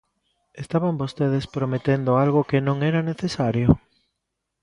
¿Estaban vostedes prometendo algo que non era necesario?